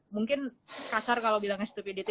mungkin kasar kalau bilang stopediti